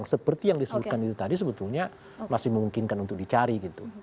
seperti yang disebutkan itu tadi sebetulnya masih memungkinkan untuk dicari gitu